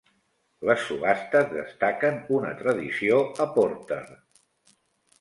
Les subhastes destaquen una tradició a Porter.